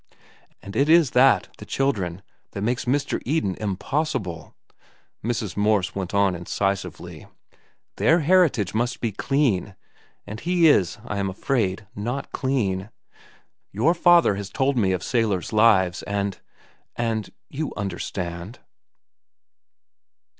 "And it is that, the children, that makes Mr. Eden impossible," Mrs. Morse went on incisively. "Their heritage must be clean, and he is, I am afraid, not clean. Your father has told me of sailors' lives, and—and you understand."